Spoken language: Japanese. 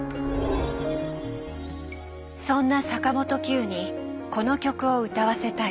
そんな坂本九にこの曲を歌わせたい。